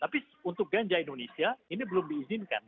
tapi untuk ganja indonesia ini belum diizinkan gitu